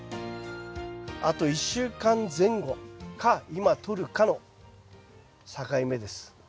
あと１週間前後か今とるかの境目です。